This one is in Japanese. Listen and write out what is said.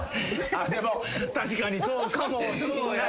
でも確かにそうかもしんない。